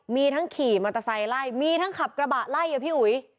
มีทั้งขี่มอเตอร์ไซค์ไล่มีทั้งขับกระบะไล่อะพี่อุ๋ย